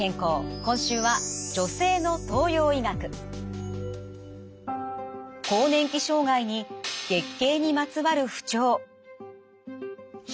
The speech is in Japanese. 今週は更年期障害に月経にまつわる不調。